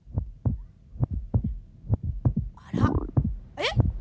えっ？